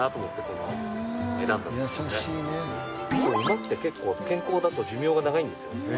馬って結構健康だと寿命が長いんですよ。